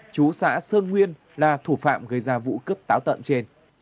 chú xã sơn nguyên là thủ phạm gây ra vụ cướp táo tợn trên